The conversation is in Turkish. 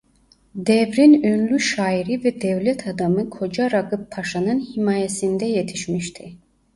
Devrin ünlü şairi ve devlet adamı Koca Ragıp Paşa'nın himayesinde yetişmişti.